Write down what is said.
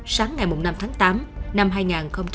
sáng ngày lương thanh hoàng đã được đưa đến tỉnh quảng trị